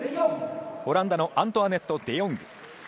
オランダのアントワネット・デ・ヨング。